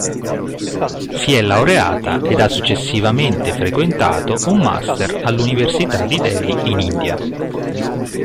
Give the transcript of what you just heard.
Si è laureata ed ha successivamente frequentato un master all'Università di Delhi in India.